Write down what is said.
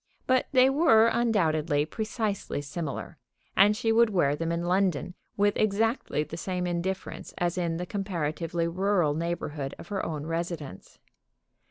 But they were undoubtedly precisely similar, and she would wear them in London with exactly the same indifference as in the comparatively rural neighborhood of her own residence.